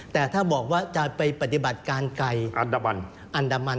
แต่ถ้าบอกว่าจะไปปฏิบัติการไกลอันดามัน